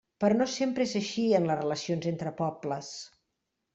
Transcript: Però no sempre és així en les relacions entre pobles.